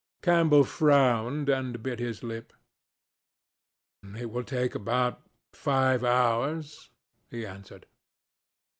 Campbell frowned and bit his lip. "It will take about five hours," he answered.